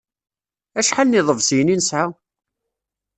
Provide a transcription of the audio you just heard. Acḥal n iḍefsiyen i nesɛa?